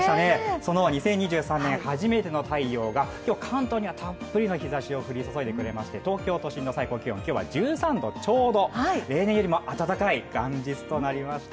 その２０２３年初めての太陽が今日は関東にはたっぷりの日ざしを降り注いでくれまして、東京都心の最高気温、今日は１３度ちょうど、例年よりも暖かい元日となりました。